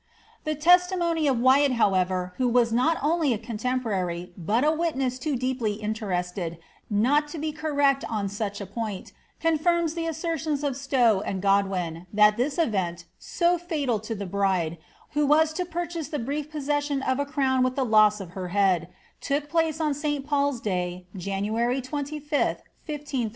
The testimony of Wyatt, however, who was not only a contemporary, bat a witness too deeply interested, not to be correct on such a point, coDfirms the assertions of Stowe and Godwin, that this event, so fatal to the bride, who was to purchase tlie brief possession of a crown with the loss of her head, took place on Sl PauPs Day, January 25th, 1 533.